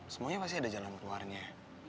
semuanya masih ada jalan keluarnya